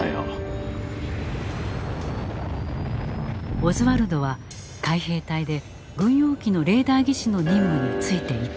オズワルドは海兵隊で軍用機のレーダー技師の任務に就いていた。